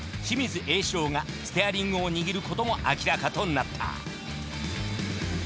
清水英志郎がステアリングを握ることも明らかとなった。